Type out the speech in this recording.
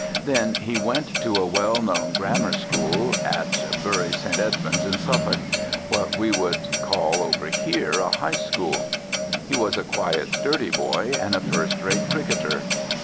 Then he went to a well known grammar school at Bury St. Edmunds in Suffolk—what we would call over here a high school. He was a quiet, sturdy boy, and a first rate cricketer.